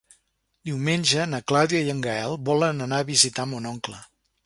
Diumenge na Clàudia i en Gaël volen anar a visitar mon oncle.